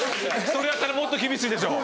それやったらもっと厳しいでしょ。